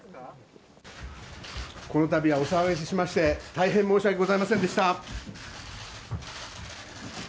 このたびはお騒がせしまして、大変申し訳ございませんでした。